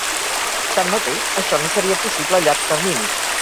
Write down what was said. Tanmateix, això no seria possible a llarg termini.